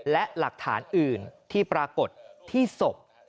และหลักฐานอื่นที่ปรากฏที่ศพ